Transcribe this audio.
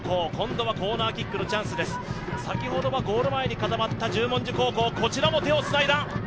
先ほどはゴール前に固まった十文字高校こちらも手をつないだ。